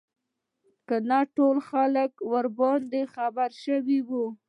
که نه ټول خلک به راباندې خبر شوي وو.